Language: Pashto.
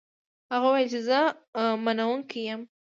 هغه وویل چې زه منونکی یم.